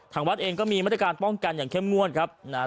วัดเองก็มีมาตรการป้องกันอย่างเข้มงวดครับนะฮะ